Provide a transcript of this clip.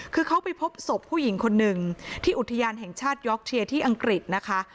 คือเขาไปพบศพผู้หญิงคนหนึ่งที่อุทยานแห่งชาติยอกเชียร์ที่อังกฤษนะคะ